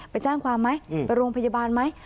ไปแจ้งความไหมไปโรงพยาบาลไหม